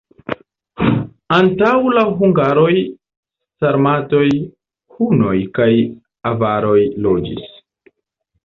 Antaŭ la hungaroj sarmatoj, hunoj kaj avaroj loĝis.